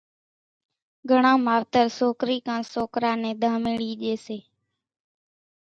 گھڻان ماوَتر سوڪرِي ڪان سوڪرا نين ڌاميڙِي ڄيَ سي۔